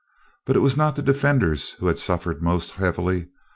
But it was not the defenders who had suffered most heavily.